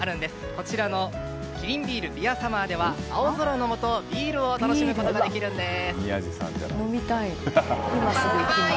こちらのキリンビールビアサマーでは青空のもと、ビールを楽しむことができるんです。